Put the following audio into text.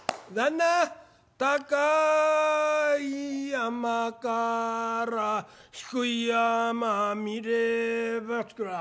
「高い山から低い山見ればとくらあ。